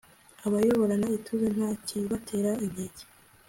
ibayoborana ituze, nta kibatera inkeke